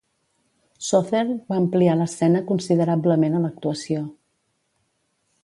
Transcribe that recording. Sothern va ampliar l'escena considerablement a l'actuació.